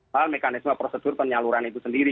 hal mekanisme prosedur penyaluran itu sendiri